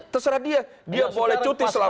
terserah dia dia boleh cuti selama